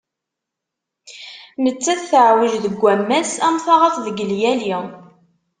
Nettat teɛweǧ deg ammas am taɣaṭ deg llyali.